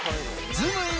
ズームイン！！